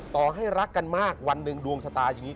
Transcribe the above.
ต่อให้รักกันมากวันหนึ่งดวงชะตาอย่างนี้